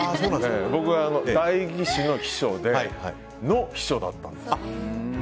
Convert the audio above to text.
僕が代議士の秘書でその秘書だったんです。